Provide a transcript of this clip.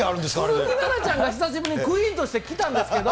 鈴木奈々ちゃんが久しぶりにクイーンとして来たんですけど。